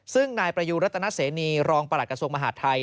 ซึ่งนายประยูรัตนเสนีรองประหลัดกระทรวงมหาดไทย